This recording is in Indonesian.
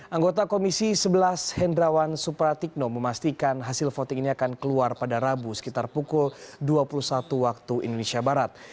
anggota komisi sebelas hendrawan supratikno memastikan hasil voting ini akan keluar pada rabu sekitar pukul dua puluh satu waktu indonesia barat